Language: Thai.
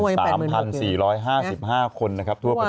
อยู่ที่๙๓๔๕๕คนนะครับทั่วประเทศ